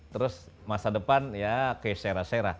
terus masa depan ya kaya sera sera